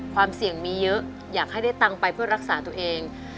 ความเสี่ยงมีเยอะอยากให้ได้ตังค์ไปเพื่อรักษาตัวเอง